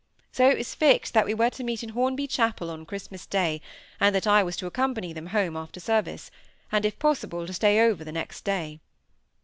So it was fixed that we were to meet in Hornby Chapel on Christmas Day, and that I was to accompany them home after service, and if possible to stay over the next day.